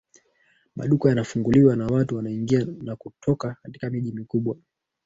maduka yanafunguliwa na watu wanaingia na kutoka katika miji mikubwa